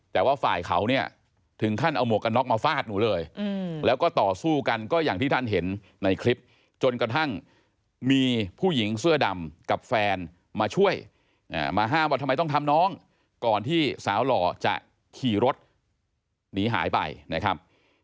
แต่ว่าฝ่ายเขาเนี่ยถึงขั้นเอาหมวกกันน็อกมาฟาดหนูเลยแล้วก็ต่อสู้กันก็อย่างที่ท่านเห็นในคลิปจนกระทั่งมีผู้หญิงเสื้อดำกับแฟนมาช่วยมาห้ามว่าทำไมต้องทำน้องก่อนที่สาวหล่อจะขี่รถหนีหายไปนะครับ